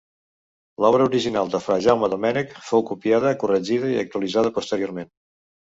L'obra original de fra Jaume Domènec fou copiada, corregida i actualitzada posteriorment.